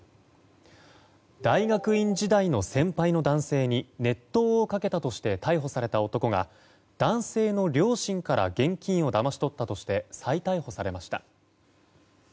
大学院時代の先輩の男性に熱湯をかけたとして逮捕された男が男性の両親から現金をだまし取ったとして再逮捕されました。